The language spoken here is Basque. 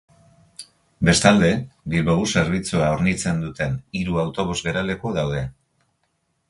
Bestalde, Bilbobus zerbitzua hornitzen duten hiru autobus geraleku daude.